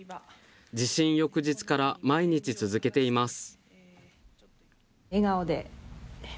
地震翌日から毎日続けています。